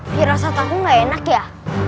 tih rasa takut gak enak ya